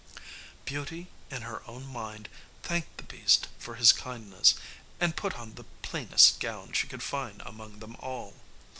Beauty, in her own mind, thanked the beast for his kindness, and put on the plainest gown she could find among them all.